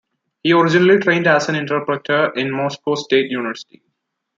He originally trained as an interpreter in Moscow State University.